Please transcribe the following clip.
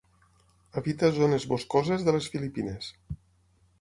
Habita zones boscoses de les Filipines.